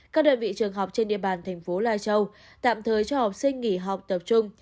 các đơn vị trường học trên địa bàn thành phố lai châu tạm thời cho học sinh nghỉ học tập trung